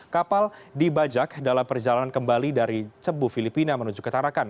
kapal dibajak dalam perjalanan kembali dari cebu filipina menuju ke tarakan